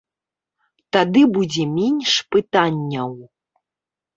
Тады будзе менш пытанняў.